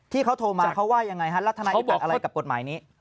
ที่เขาโทรมาเขาว่ายังไงฮะรัฐนาธิบัติอะไรกับกฎหมายนี้